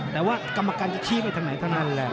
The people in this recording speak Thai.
แต่ว่ากรรมการจะชี้ไปทางไหนเท่านั้นแหละ